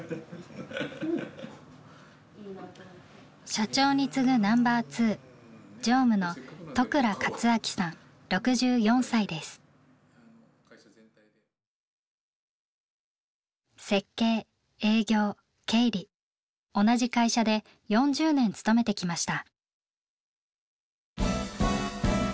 社長に次ぐナンバーツー設計営業経理同じ会社で４０年勤めてきました。